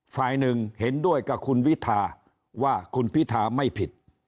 ฝ่ายหนึ่งเห็นด้วยกับคุณวิทาว่าคุณพิธาไม่ผิด